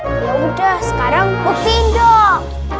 yaudah sekarang buktiin dong